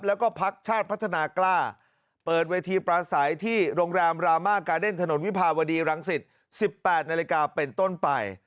แล้วก็พักชาติพัฒนากล้าเปิดเวทีปราศัยที่โรงแรมรามากาเดนถนนวิภาวดีรังสิต๑๘นาฬิกาเป็นต้นไป